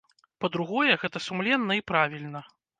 Па-другое, гэта сумленна і правільна.